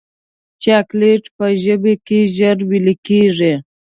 چاکلېټ په ژبه کې ژر ویلې کېږي.